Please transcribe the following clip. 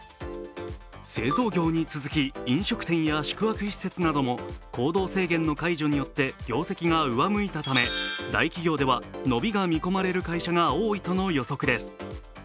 製造業に続き飲食店や宿泊施設なども行動制限の解除によって業績が上向いたため大企業では伸びが見込まれる会社が多いとの予測です。